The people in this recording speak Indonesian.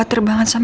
apa yang k fishing